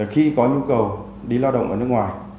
khi có nhu cầu đi lao động ở nước ngoài